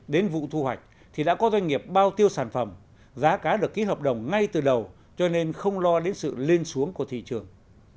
đến vụ thu hoạch thì đã có doanh nghiệp bao tiêu sản phẩm giá cá được ký hợp đồng ngay từ đầu cho nên không lo đến sự lên xuống của thị trường